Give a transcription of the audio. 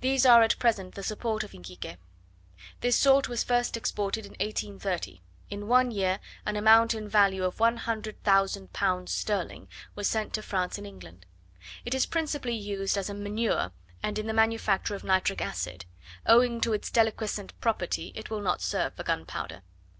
These are at present the support of Iquique. This salt was first exported in 1830: in one year an amount in value of one hundred thousand pounds sterling, was sent to France and England. It is principally used as a manure and in the manufacture of nitric acid: owing to its deliquescent property it will not serve for gunpowder.